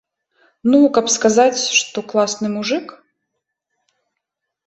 Ну, каб сказаць, што класны мужык.